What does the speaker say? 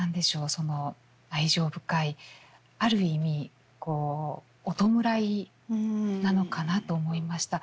その愛情深いある意味こうお弔いなのかなと思いました。